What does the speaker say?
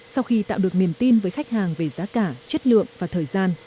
sau khi tạo được niềm tin với khách hàng về giá cả chất lượng và thời gian